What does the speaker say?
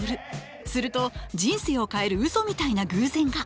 すると人生を変えるうそみたいな偶然が！